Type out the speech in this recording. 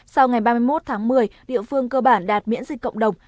sau ngày ba mươi một tháng một mươi địa phương cơ bản đạt miễn dịch cộng đồng